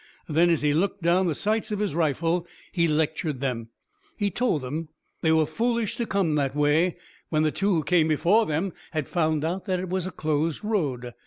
Then as he looked down the sights of his rifle he lectured them. He told them they were foolish to come that way, when the two who came before them had found out that it was a closed road.